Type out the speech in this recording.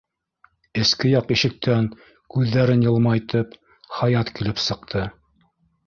Эске яҡ ишектән, күҙҙәрен йылмайтып, Хаят килеп сыҡты.